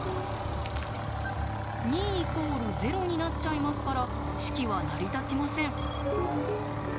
２＝０になっちゃいますから式は成り立ちません。